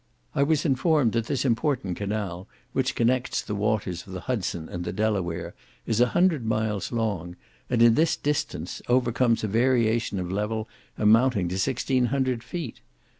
I was informed that this important canal, which connects the waters of the Hudson and the Delaware, is a hundred miles long, and in this distance overcomes a variation of level amounting to sixteen hundred feet.